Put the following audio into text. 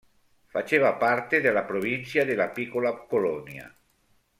Faceva parte della provincia della Piccola Polonia.